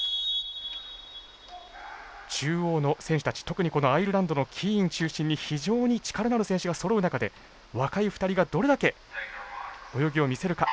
特にアイルランドのキーン中心に非常に力のある選手がそろう中で若い２人がどれだけ泳ぎを見せるか。